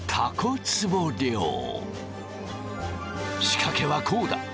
仕掛けはこうだ。